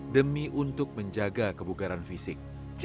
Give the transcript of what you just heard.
demi untuk menjaga kebugaran fisik